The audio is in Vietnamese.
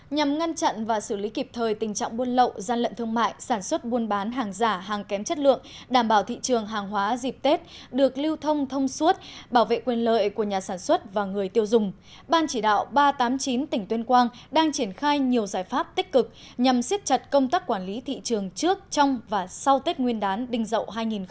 nhằm ngăn chặn và xử lý kịp thời tình trạng buôn lậu gian lận thương mại sản xuất buôn bán hàng giả hàng kém chất lượng đảm bảo thị trường hàng hóa dịp tết được lưu thông thông suốt bảo vệ quyền lợi của nhà sản xuất và người tiêu dùng ban chỉ đạo ba trăm tám mươi chín tỉnh tuyên quang đang triển khai nhiều giải pháp tích cực nhằm xếp chặt công tác quản lý thị trường trước trong và sau tết nguyên đán đinh dậu hai nghìn một mươi bảy